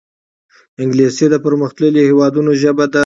انګلیسي د پرمختللو هېوادونو ژبه ده